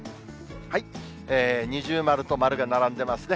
二重丸と丸が並んでますね。